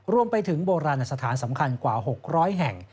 โบราณสถานสำคัญกว่า๖๐๐แห่ง